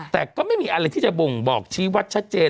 แต่ก็ไม่มีอะไรที่จะบ่งบอกชี้วัดชัดเจน